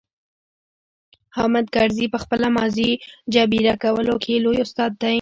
حامد کرزي په خپله ماضي جبيره کولو کې لوی استاد دی.